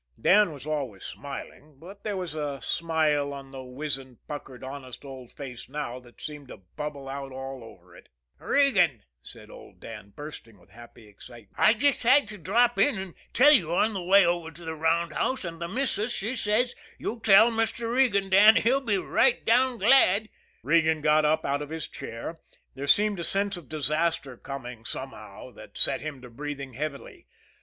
Dan was always smiling, but there was a smile on the wizened, puckered, honest old face now that seemed to bubble out all over it. "Regan," said old Dan, bursting with happy excitement, "I just had to drop in and tell you on the way over to the roundhouse, and the missus, she says, 'You tell Mr. Regan, Dan; he'll be rightdown glad.'" Regan got up out of his chair. There seemed a sense of disaster coming somehow that set him to breathing heavily.